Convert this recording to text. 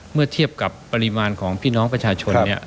เมื่อเทียบกับปริมาณของพี่น้องประชาชนเนี่ย